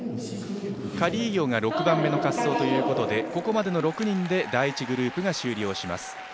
カリーヨが６番目の滑走ということでここまでの６人で第１グループが終了します。